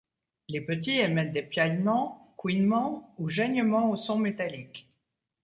Les petits émettent des piaillements, couinements ou geignements au son métallique.